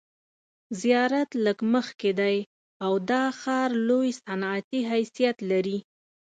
زیارت لږ مخکې دی او دا ښار لوی صنعتي حیثیت لري.